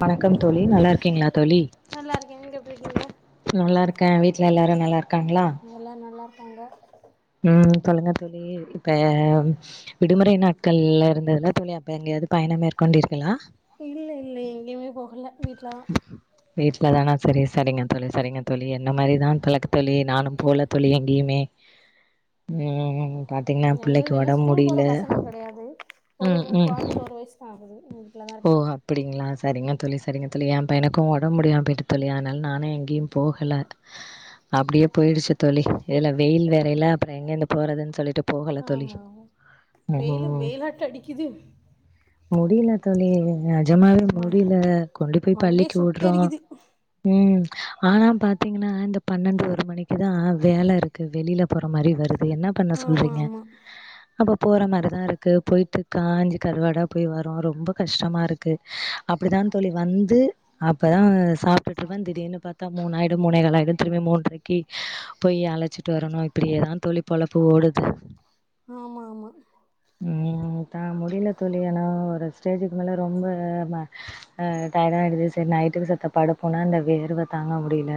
வணக்கம் தோழி நல்லா இருக்கிங்களா தோழி நல்லா இருக்கே நீங்க எப்டி இருக்கீங்க நல்லா இருக்கேன வீட்டுலே எல்லாரும் நல்லா இருக்காங்களா அங்க [inaudible] ம் சொல்லுங்க தோழி இப்ப விடுமுறை நாட்கள்ல இருந்துதுல்ல தோழி அப்ப எங்கயாவது பயண மேற்கொண்டிர்களா இல்ல இல்ல எங்கேயுமே போகல வீட்ல தா வீட்லதானா சரி சரிங்க தோழி சரிங்க தோழி என்ன மாரிதான் பழக்க தோழி நானும் போல தோழி எங்கியுமே ம் பாத்தீங்கன்னா எங்ளுது புள்ளைக்கு இன்னு ஒடம்பு ஸ்கூல் போற முடியல பசங்க கடையாது ஒரு ம் கொழந்தக்கி ம் ஒரு வயசுதா ஆகுது வீட்லதா ஓ! இருக்க அப்படிங்களா? சரிங்க தோழி, சரிங்க தோழி ஏம் பையனுக்கு ஒடம் முடியாம போய்ட்டு தோழி அனால நானு எங் கியும் போகல அப்டியே போயிடுச்சு தோழி இதுல வெயில் வேறைல்ல ப எங்கேந்து போறதுன் சொல்லிட்டு போகல தோழி ஆமா ஆமா ஓ வெயிலு வெயிலாட்ட அடிக்குது முடியில தோழி [unintelligible] ஜமாவே ம முடியில கொண்டு போய் மண்டய பள்ளிக்கு உட்றோ சுட்டெரிக்குது ம் ஆனா பாத்தீங்கன்னா இந்த பன்னெண்டு வ த்து மணிக்கிதா வேல இருக்கு வெளியில போ ற மாரி வரு து என்ன பண்ண ஆமா சொல்றீங்க ஆமா அப்போ போற மாரிதா இருக்கு போயிட்டு காஞ்சு கருவாடா போய் வரோ ரொம்ப கஷ்டமா இருக்கு அப்டிதா தோழி வந்து அப்தா சாப்ட்டுட்ருப்ப திடீனு பாத்தா மூணாயிடு மூணேகளாயிடு திரும்பி மூன்றக்கி போய் அழச்சிட்டு வரணு தா தோழி பொழப்பு ஓடுது ஆமா ஆமா ம் தான் முடியல தோழி எலாம் ஒரு ஸ்டேஜக்கு மேல ரொம்ப டயர்ட ஆகிடுது சரி நைட்டுக்கு சித்த படுப்போம்னா இந்த வேர்வை தாங்க முடியல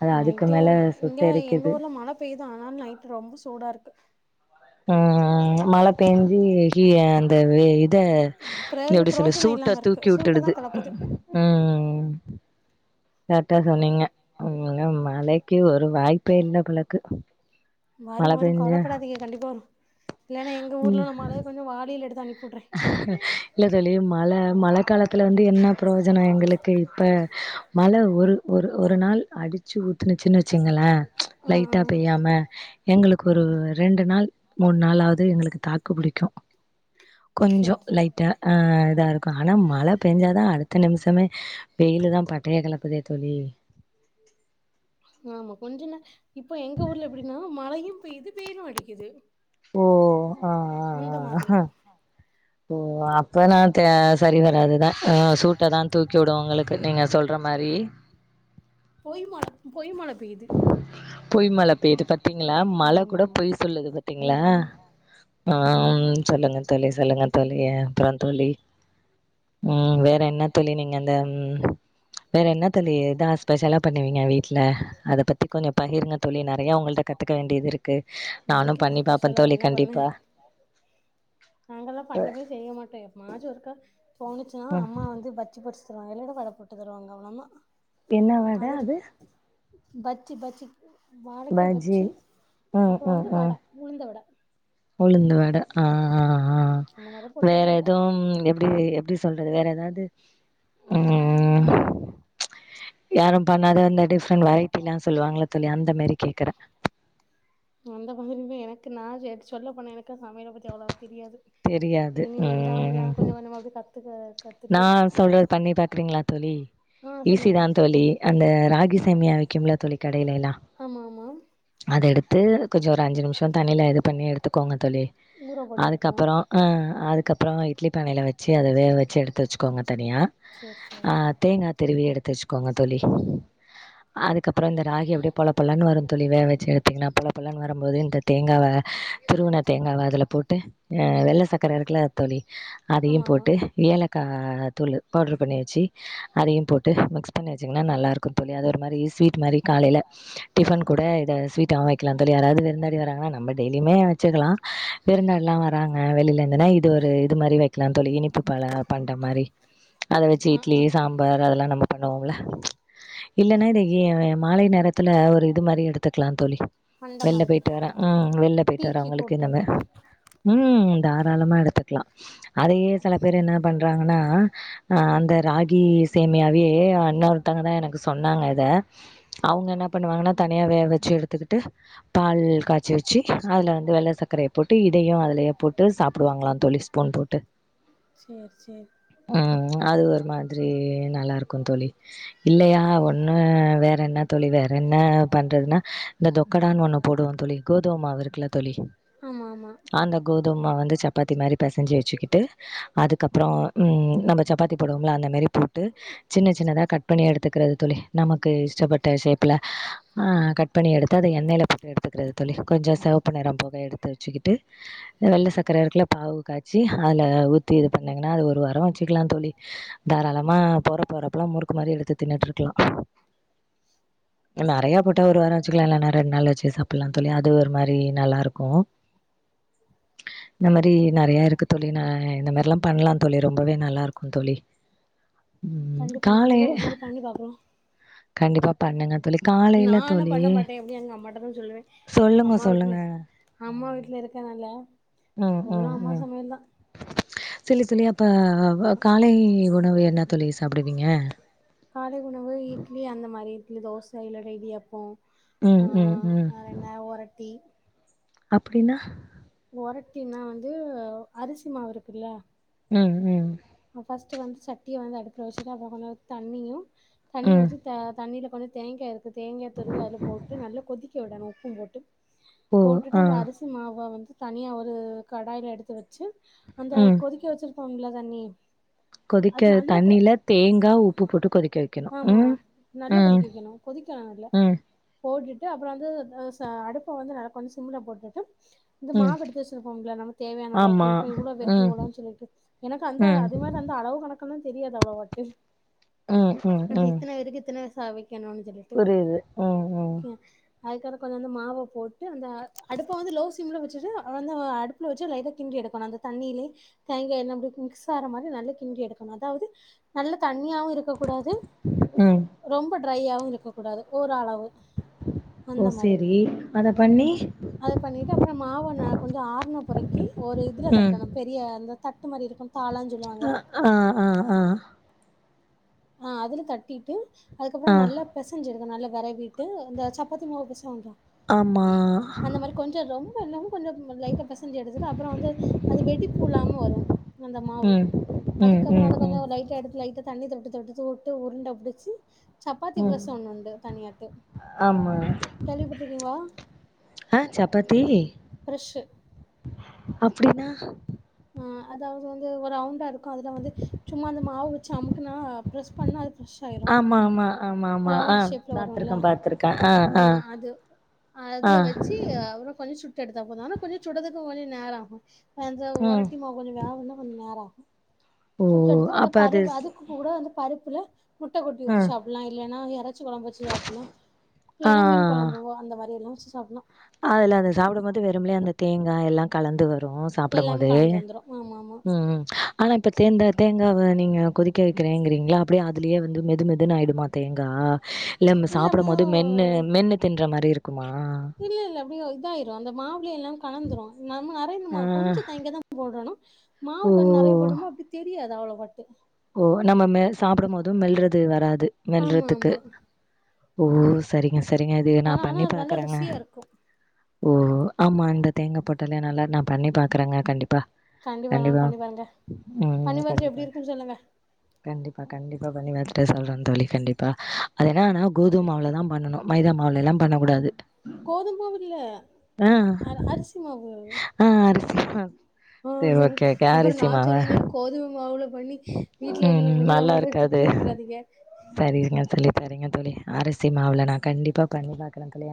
அது அதுக்கு நைட்டு மேல இங்க எங்க சுட்டெரிக்குது ஊர்ல மழ பெய்யுது ஆனாலு ரொம்ப சூடா இருக்கு. ம் மழைக்- பேஞ்சி அந்த இத இத பிரயோஜ எப்படி சொல்ல புரோஜன சூட்ட இல்லாம இருக்கு தூக்கி சூட்ட தா விட்டுடுது கெளப்புது உம் கரக்டா சொன்னீங்க மழைக்கு ஒரு வாய்ப்பே இல்லை போலிருக்கு வரு மழை வரு பெஞ்சா கவலப்படாதீங்க கண்டிப்பா வரு இல்லன்னா எங்க ஊர்ல நா மழைய கொஞ்சோ வாளில எடுத்து அனுப்பிவுட்றே இல்ல தோழி மழை மழை காலத்தில் வந்து வந்து என்ன பிரயோஜனம் எங்களுக்கு இப்ப மழை ஒரு ஒரு ஒரு நாள் அடிச்சு ஊத்துனுச்சுன்னு வச்சுக்கங்களேன் லைட்டா பெய்யாம எங்களுக்கு ஒரு ரெண்டு நாள் மூணு நாள் ஆகு எங்களுக்கு தாக்கு புடிக்கும். கொஞ்சோ சேர் சேர் லைட்டா ஆ தாருக் ஆனா மழை பெஞ்சாதா அடுத்த நிமிஷமே வெயிலுதா பட்டைய கெளப்புதே தோழி ஆமா கொஞ்ச நே இப்போ எங்க ஊர்ல எப்டின்னா மழையு இப்ப இது வெயிலு அடிக்குது ஓ ஆ ஆ அந்த மாதிரி ஆ ஆ ஓ அப்பனா த சரி வராதுதா அ சூட்ட தா தூக்கி வுடும் உங்களுக்கு நீங்க சொல்ற மாரி பொய் மழ பொய் மாழ பொய் மழை பெய்யுது பாத்தீங்களா மழை கூட பொய் சொல்லுது பாத்தீங்களா சொல்லிட்ருக்கீங்க ஆஹ் சொல்லுங்க தோழி சொல்லுங்க தோழி அ அப்றம் தோழி உம் வேற வேற என்ன தோழி நீங்க அந்த வேற என்ன தோழி எதா ஸ்பெஷலா பண்ணுவீங்க வீட்ல அத பத்தி கொஞ்சம் பகிருங்க தோழி நறைய உங்கள்ட கத்துக்க வேண்டியது இருக்கு நானு நாங்க பண்ணி பாப்ப ஸ்பெஷலா தோழி என்ன பண்ண கண்டிப்பா நாங்கல்லா பண்ணவே யா ம் அம்மா வந்து பஜ்ஜி பொரிச்சி தருவாங்க இல்லன்னா வட போட்டு தருவாங்க எங்கம்மா என்ன வட அது பஜ்ஜி பஜ்ஜி வாழைக்கா பஜ்ஜி ம் அப்பறம் ம் வந்து ம் வட உளுந்த வட உளுந்து வட ஆ ஆ ஆ அந்த மாரி போட்டு வேற தருவாங்க எதும் எப்டி எப்டி சொல்றது வேற எதாவ து ம் ம் யாரும் பண்ணாத இந்த டிஃப்ரெண்ட் வெரைட்டிலா சொல்லுவாங்கள தோழி அந்த மாரி கேக்குறே அந்த மாதிரி தா எ எனக்கு நா எதாச் சொல்ல போனா எனக்கு சமையல் பத்தி அவ்ளோவா தெரியாது தெரியாது இனிமேல் தா எல்லா ம் கொஞ்சம் கொஞ்சமா அப்டி கத்துக்க கத்துட்டு நா இருக்கே சொல்றது பண்ணி பாக்குறீங்களா தோழி ஆ ஈஸி சொல்லுங்க தா தோழி அந்த ராகி சேமியா விக்கிம்ல தோழி கடையிலல்லா ஆமா ஆமா அத எடுத்து கொஞ்ச ஒரு அஞ்சு நிமிஷம் தண்ணியில இது பண்ணி எடுத்துக்கோங்க தோழி ஊற போட்டு அதுக்கப் எடுக்கணு ஆ அப்பறோ அ அதுக்கப்பற இட்லி பானைல வச்சி அத வேவ வச்சி எடுத்து வச்சிக்கோங்க தனியா தண்ணி போட்டு ஏலக்கா வச்சு ஆ தேங்கா திருவி எடுத்து வச்சிக்கோங்க தோழி அதுக்கப்பற இந்த ராகி அப்டியே பொலப்பெலன்னு வரு தோழி வேகவச்சி எடுத்தீங்கன்னா பொலப்பொலன்னு வரும்போது இந்த தேங்காவ திருவுன தேங்காவ அதுல போட்டு அ வெள்ள சக்கர இருக்கல தோழி அதையு போட்டு ஏலக்கா தூளு பவுட்ரு பண்ணி வச்சு அதையு போட்டு மிக்ஸ் பண்ணி வச்சிங்கன்னா நல்லாயிருக்கு தோழி அது ஒரு மாரி அது ஸ்வீட் மாரி காலைல டிபன் கூட இத ஸ்சுவிட்டாவு வைக்கலா தோழி யாராவது விருந்தாடி வராங்கனா நம்ம டெய்லிமே வச்சிக்கலா விருந்தாடிலா வராங் நாங்க வெளியில இருந்தா இது ஒரு இது மாதிரி வைக்கலாம் தோழி இனிப்பு பழ பண் மாதிரி அதை வச்சு இட்லி சாம்பார் அதெல்லாம் நம பண்ணுவோம் இல்லன்னா ஏ மாலை நேரத்துல ஒரு இது மாதிரி எடுத்துக்கலா தோழி அந்த வெளில மாதிரி போயிட்டு வர ம் வெளில போயிட்டு டீக்கு வரவங்களுக்கு நம்ம கூப்டாப்டி ம் தாராளமா எடுத்துக்கலா அதையே சில பேர் என்ன பண்ற றாங்கனா அந்த ராகி சேம்யாவே அன்னா தாங்கதா எனக்கு சொன்னாங்க இத அவங்க என்ன பண்ணுவாங்கான தனியா வேக வச்சு எடுத்துக்கிட்டு பால் காய்ச்சி வச்சு அதுல வந்து வெள்ளை சர்க்கரைய போட்டு இதையு லேயபோட்டு சாப்டுவாங்களா ஸ்பூன் போட்டு சேரி சேரி அது ஒரு மாதுரி நல்லா இருக்கு தோழி இல்லையா ஒன்னு வேற என்ன தொழி வேர் என்ன பண்றதுன்னா இந்த தொக்கடான்னு ஒன்னு போடுவோ தோழி கோதுமமாவு இருக்குல தோழி ஆமா ஆமா கோதுமமாவு வந்து சப்பாத்தி மாரி பசஞ்சு வச்சுக்கிட்டு அதுக்கப்புற ம் நம்ப சப்பாத்தி போடுவோம்ல அந்த மாரி போட் டு சின்ன சின்னதா கட் பணி எடுத்துக்றது தோழி நமக்கு இஷ்டப்பட்ட ஷேப்பிலே அ கட் பண்ணி எடுத்து அத எண்ணயில போட்டு எடுத்துக்றது தோழி கொஞ்ச செவப்பு நெற போக எடுத்து வச்சுக்கிட்டு வெள்ள சக்கர இருக்குல பாகு காய்ச்சி அதுல ஊத்தி இது பண்ணீங்கன்னா அது ஒரு வார வச்சுக்லாம தோழி தாராளமா போறப்ப வறப்பல்லா முறுக்கு மாரி எடுத்து தின்னுட்ருக்லா நெறையா போட்டா ஒரு வாரம் வச்சுக்கலாம் இல்லனா ரெண்டு நாள் வச்சு சாப்பிடலாம் தோழி அது ஒரு மாரி நல்லா இருக்கும் இந்த மாரி நிறைய இருக்கு தோழி ந இந்த மாரிலாம் பண்ணலாம் தோழி ரொம்பவே நல்லா இருக்கும் தோழி ம் கண்டிப்பா நாங்களு காலையி ஒரு நாள் பண்ணி பாக்குறோ கண்டிப்பா பண்ணுங்க தோழி நான் என்ன தோழி பண்ண மாட்டேன் எப்படி எங்க அம்மாட்டாதான் சொல்லுவேன் சொல்லுங்க அம்மா வீட்டுல சொல்லுங்க. அம்மா ம் வீட்டுல இருக் னால ம் ம் ம் தோழி தோழி அப்ப வ காலை உணவு என்ன தோழி சாப்பிடுவீங்க தோசை இல்ல இடியாப்பம் ம் ஆ ம் வேற என்ன ஒரட்டி அப்படின்னா உரட்டினா வந்து அரிசி மாவு இருக்குல்ல ம் ம் ஃபஸ்ட்டு வந்து சட்டியை வந்துஅடுப்புல வச்சுட்டு அப்புறம் கொஞ்ச தண்ணியும் தண்ணி ம். ஊத்திஅ தண்ணில கொஞ்ச தேங்கா எடு த்து தேங்கா துருவி அதுல போட்டு நல்லா கொதிக்க போடணும் உப்பும் போட்டு ஓ போட்டுட்டு ஆ அந்த அரிசி மாவா வந்து தனியா ஒரு கடாயில எடுத்து வச்சு அந்த ம். கொதிக்க வச்சிரு ஹோம்ல தண்ணி அது கொதிக்க நல்ல கொ தண்ணில தேங்கா உப்பு போட்டு கொதிக்க வைக்கணும். ஆமா ஆமா ம் நல்லா ம் கொதிக்கவைக்கணும் கொதிக்கலாம் நல்ல ம் போட்டுட்டு ட்டு அப்புறம் வந்து அடுப்ப வந்து நல்ல கொஞ்ச சிம்ல போட்டுட்டு இந்த ம். மாவ எடுத்து வச்சிருப்போம்ள நமக்கு தேவையான ஆமா அளவுக்கு இப்ப இவ்வளவு பேருக்கு ம் இவ்ளோனு சொல்லிட்டு எனக்கு அந்த ம் அது மாதிரி அந்த அளவு கணக்கு அதல்லா தெரியாது அவ்வளோவாட்டு உம் உம் உம் சவி புரியுது உம் உம் அதுக்கப்றம் கொஞ்சம் அந்த மாவ போட்டு அந்த அடுப்ப வந்து லோ ஸீம்ல வச்சுட்டு வ அடுப்புல வச்சு லைட்டா கிண்ட்றி எடுக்கணும் அந்த தண்ணியில தேங்காய் என்ன மிக்ஸ் ஆற மாதிரி நல்லா கிண்டறி எடுக்கணும் அதாவது நல்லா தண்ணியாவும் இரு கூடாது ம் ரொம்ப ட்ரையாவும் இருக்ககூடாது ஓரளவும் ஓ அந்த மாதிரி சேரி அத பண்ணி அத பண்ணிட்டு அப்புறம் மாவு ந கொஞ்ச ஆ றைக்கு ஒரு இதுல தட்டணம் பெரிய அந்த தட்டு மாரி இருக்கும் தாளான்னு சொல்லுவாங்க அஹ் ஆஹ் ஆஹ் ஆஹ் ஆஹ் அதுல தட்டிட்டு ஆ அதுக்கப்புறம் நல்லா பெசஞ்சிருக்கு அதனல்லா வற இந்த சப்பாத்தி மாவு பெசவாங்ள ஆமா அந்த மாதிரி கொஞ்சம் கொஞ்சம் கொஞ்சம் லைட்டா பெச செஞ்சு எடுத்துட்டு அப்புறம் வந்து அது வெடிப்புலாம வரும் அந்த மாவு ம் ம் அதுக்கப்றம் ம் அத கொஞ்ச ம் லைட்டா எடுத்து லைட்டா தண்ணி தொடுத்து விட்டு உருண்ட புடிச்சு சப்பாத்தி ம் ப்ரஸ் ஒண்ணுண்டு தனியாட்டு ஆமா கேள்விப்பட்டிருக்கீங்களா ஆ ப்ரஸ்ஸு அப்படின்னா அதாவது வந்து ஒரு அவுண்டா இருக்கும் அதுல வந்து சும்மா அந்த மாவு வச்சு அமுக்குனா ப்ரெஸ் பண்ணா பிரஸ் ஆயிரும் ஆமா ஆமா ஆமா ஆமா ஆ ரவுண்டு ஷேப்ல வரும்ல பாத்துருக்கே பாத்துருக்கே ஆ ஆ அது ஆ அதுல வெச்சு எடுத்தா போது ஆனா கொஞ்சம் சுறதுக்கு கொஞ்ச நேரம் ஆகும் அந்த ஒரு ம் திமா கொஞ்ச வேலன்ன பண்ண நேராகு ஓ சுற்றடத்துக் கொஞ்ச அப்ப அது பருவ அதுக் கூட வந்து பரு இல்ல முட்ட கொட்டி வெச்சி ம் சாப்பலாம் இல்ல நா எற ச்சு கொழம்ப வச்சு சாப்ட்லாம் இல்லனா மீன் ஆ கொழம்புவோ அந்த மாரி எல்லா சாப்பலாம் அதுல அத சாப்புடும் போது வெரும்புலே அந்த தேங் கா எல்லா கலந்து வ ரு சாப்படும் எல்லாமே போதூ கலந்து வந்துரு ஆமா ஆமா ம் ம் அனா இப்ப தேன்தா தேங் த வ நீங்க கொதிக்க வெக்கறேங்றீங்களா அப்படே அதுலயே வந்து மெது மெதுன்னு ஆயிடுமா தேங்கா இல்ல ம் சாப்படும் போது மென்னு மென்னு தின்ற மாரி இருக் அமா அப்படியோ இதாயிரு அந்த மாவுலே எல்லா கலந்துரு நம்ம ஆ அரையனுமா கொஞ்ச தேங்கா தா போடனு மாவு ஓ கொஞ்ச நறையா போட்டம்னா அப்டே தெரியாது. அது அவ்ளோ பட்டு ஓ நம்ம மே சாப்படும் போது மெல்றது வரா து ஆமா மெல்றதுக்கு ஆமா ஓ சரிங்க செரிங்க இது நா ஆனா ஆனா பண்ணி அது நல்லா பாக்கறங்க ருசியா இருக்கு ஓ ஆமா இந்த தேங்கா போட்டாலே நல்லா நான் பண்ணி பாக்குறேங்க கண்டிப்பா கண்டிப்பா மேம் பண்ணி பாருங்க ம் பண்ணி பாத்துட்டு கண்டிப்பா எப்புடி இருக்குன்னு சொல்லுங் கண்டிப்பா கண்டிப் ப்புறோ பண்ணி பாத்துட்டு சொல்றன் தோழி கண்டிப்பா அது என்ன ஆனா கோதுமாவுல தான் பண்ணணும் மைதா மாவுல எல்லா பண்ணக் கூடாது கோதும் மாவு இல்ல அர அரிசி மாவு ஆ அரிசி மாவு சரி ஓகே ஓகே [unintelligible] அப்புறம் அரிசி நான் மாவா சொல்ல சொல்லி கோதும மாவுல பண்ணி வீட்ல ம் இருல நல்லா இருக்காது. உள்ளவங்கள்ட்ட [unintelligible] வக்கிறாதீங்க சரிங்க தோழி சரிங்க தோழி ஆரிசி மாவுல நா கண்டிப்பா பண்ணி பாக்குறேன் ஆ தோழி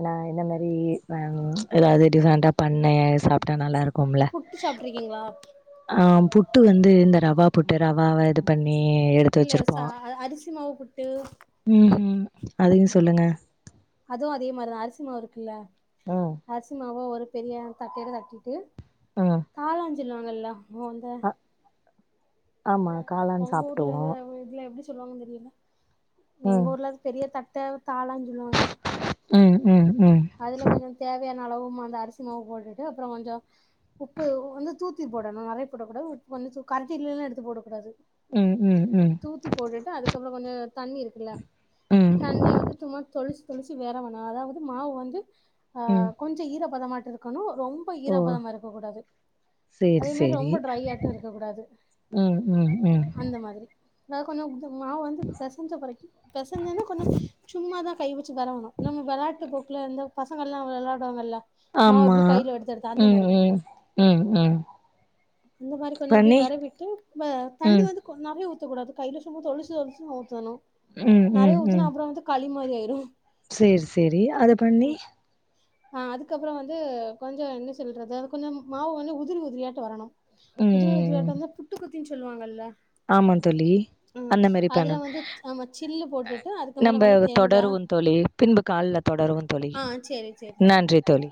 ஆனா இந்த மாரி அம் ஏதாவது டிஃப்ரெண்ட்டா பண்ணு சாப்டா நல்லாருக் கும்ல புட்டு சாப்ட்ருக்கீங்களா ஆஹ் புட்டு வந்து இந்த ரவா போட்டு ரவாவா இது பண்ண எடுத்து இல்ல ச வச்சிருப்போம் அரிசி மாவு புட்டு உம்ஹிம் அதயு சொல்லுங்க அதுவு அதே மாரி தா அரிசி மாவு இருக்குல்ல ம் அரிசிமாவா ஒரு பெரிய தட்டையட தட்டீட்டு ம் காளான் சில்வாங்கல்லா ஓ அந்த ஆ ஆமா காளான் உங்க ஊர்ல சாப்டுவோ இத இதுலா எப்டி சொல்லுவாங்கன்னு தெரியல எங்க ம் ஊர்ல அது பெரிய தட் தேவ தாளான்னு சொல்லுவாங்க ம் ம் ம் அளவும் அந்த அரிசி மாவு போட்டுட்டு அப்பறோ கொஞ்சோ உப்பு வந்து தூத் தூத்து போடணு நெறையா போடக்கூடாது உப்பு வந்து தூ கரண்டில்லா எடுத்து போடகூடாது ம் ம் ம் தூத்தி போட்டுட்டு அதுக்கப்பறோ கொஞ்சோ தண்ணி இருக்குல்ல ம் தண்ணிய வந்து சும்மா தொளிச் தொளிச்சி வேறவணு அதாவது மாவு வந்து ஆ ம் கொஞ்சோ ஈர பதமாட் இருக்கணு ரொம்ப ஓ ஈராபதமா இருக்க கூடாது சேரி அதே மாரி சேரி ரொம்ப டிரை ஆட்டு இருக்க கூடாது ம் ம் ம் அந்த மாதிரி நா கொஞ்சோ மாவு வந்து பெசஞ்ச வரைக்கு பெசஞ்சேன்ன கொஞ்சோ சும்மா தா கை வச் வேறவணு நம்ம வெளாட்டு போக்குல எந்த பசங்கள்ல்லா வெளாடுவாங்கல்ல ஆமா இப்டி கையில எடுத்து எடுத்து அந்த ம் மாரி ம் ம் ம் இந்த மாரி கொஞ்சோ அப்டியே பண்ணி வேறவீட்டு வே தண்ணி ம் வந்து கொ நா அப்டியே ஊத்த கூடாது கைல சும்மா தொளிச்சி தொளிச்சி தா ஊத்தணு ம் ம் நெறையா ஊத்துனா ம் அப்பறோ வந்து களி மாரி ஆயிரு சேரி சேரி அத பண்ணி ஆஹ் அதுக்கப்புறம் வந்து கொஞ்சம் என்ன சொல்றது கொஞ்சம் மாவு வந்து உதிரி உதிரியாட்டு வரணு உதிரி ம் உதிரியாட்டந்தா புட்டுக்கு ரின் சொல்லுவாங்கல்ல ஆமா தோழி ம் அந்த மாரி அதுல பண்ணும் வந்து ஆமா சில்லு போட்டுட்டு அதுக்கு மேல நம்ம கொஞ்சோ தேங்கா தொடரு வோ தோழி பின்பு கால்ல தொடருவோ தோழி ஆ சேரி சேரி நன்றி தோழி